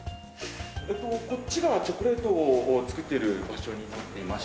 えっとこっちがチョコレートを作っている場所になっていまして。